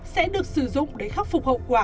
sẽ được sử dụng để khắc phục hậu quả